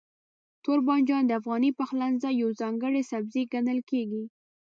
توربانجان د افغاني پخلنځي یو ځانګړی سبزی ګڼل کېږي.